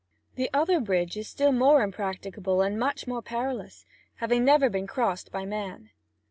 The other bridge is still more impracticable and much more perilous, never having been crossed by man.